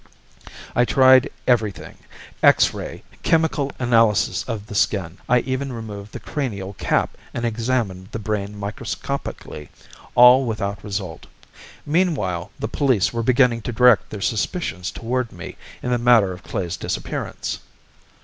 "I tried everything: X ray, chemical analysis of the skin. I even removed the cranial cap and examined the brain microscopically. All without result. Meanwhile the police were beginning to direct their suspicions toward me in the matter of Klae's disappearance.